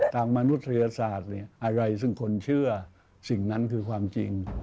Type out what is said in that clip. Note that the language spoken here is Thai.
มนุษยศาสตร์เนี่ยอะไรซึ่งคนเชื่อสิ่งนั้นคือความจริง